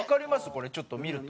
これちょっと見ると。